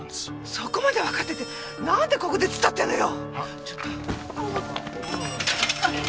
そこまでわかっててなんでここでつっ立ってるのよ！